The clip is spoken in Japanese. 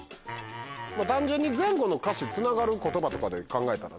単純に前後の歌詞つながる言葉とかで考えたら。